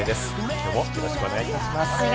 きょうもよろしくお願いいたします。